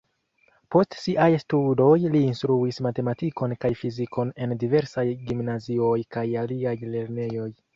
Post siaj studoj li instruis matematikon kaj fizikon en diversaj gimnazioj kaj aliaj lernejoj.